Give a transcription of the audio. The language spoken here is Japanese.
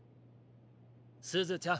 すずちゃん。